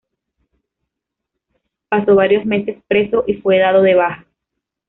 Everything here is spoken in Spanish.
Pasó varios meses preso y fue dado de baja.